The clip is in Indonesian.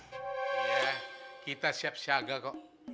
iya kita siap siaga kok